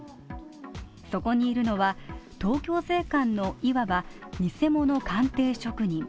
そこにいるのは、東京税関のいわば偽者鑑定職人。